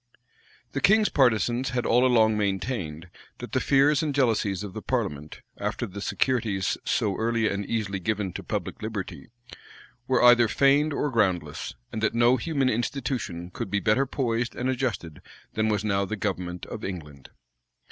The king's partisans had all along maintained, that the fears and jealousies of the parliament, after the securities so early and easily given to public liberty, were either feigned or groundless; and that no human institution could be better poised and adjusted than was now the government of England.